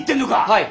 はい。